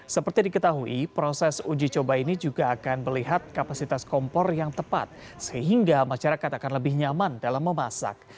seperti diketahui proses uji coba ini juga akan melihat kapasitas kompor yang tepat sehingga masyarakat akan lebih nyaman dalam memasak